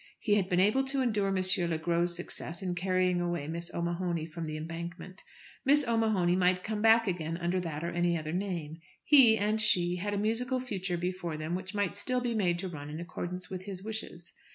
He had been able to endure M. Le Gros' success in carrying away Miss O'Mahony from "The Embankment." Miss O'Mahony might come back again under that or any other name. He and she had a musical future before them which might still be made to run in accordance with his wishes.